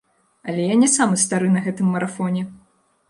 Але я не самы стары на гэтым марафоне.